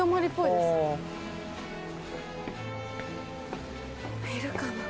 いるかな？